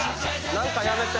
何かやめて！